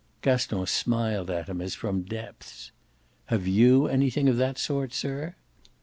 Gaston smiled at him as from depths. "Have YOU anything of that sort, sir?"